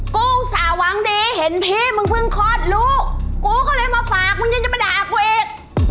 อุตส่าห์หวังดีเห็นพี่มึงเพิ่งคลอดลูกกูก็เลยมาฝากมึงยังจะมาด่ากูอีก